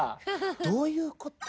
どういうこと？